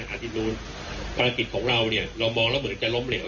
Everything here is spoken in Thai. อาทิตย์นู้นภารกิจของเราเนี่ยเรามองแล้วเหมือนจะล้มเหลว